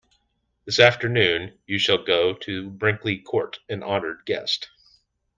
This afternoon you shall go to Brinkley Court, an honoured guest.